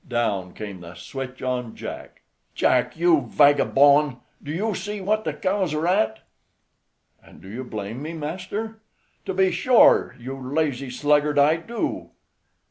Down came the switch on Jack. "Jack, you vagabone, do you see what the cows are at?" "And do you blame me, master?" "To be sure, you lazy sluggard, I do."